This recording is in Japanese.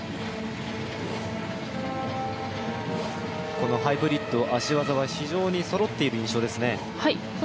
このハイブリッド、脚技は非常にそろっている印象ですね。